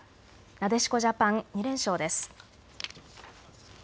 なでしこジャパン、２連勝です。